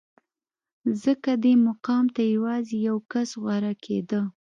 ځکه دې مقام ته یوازې یو کس غوره کېده